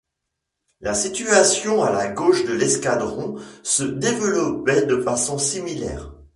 La situation à la gauche de l'escadron se développait de façon similaire.